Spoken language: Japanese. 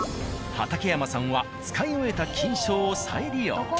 畠山さんは使い終えた菌床を再利用。